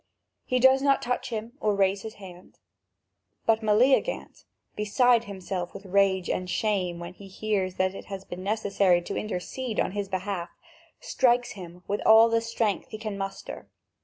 He does not touch him or raise his hand. But Meleagant, beside himself with rage and shame when he hears that it has been necessary to intercede in his behalf, strikes him with all the strength he can muster.